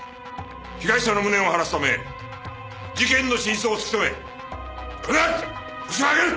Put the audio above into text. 被害者の無念を晴らすため事件の真相を突き止め必ずホシを挙げる！